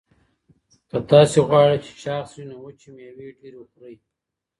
که تاسي غواړئ چې چاغ شئ نو وچې مېوې ډېرې خورئ.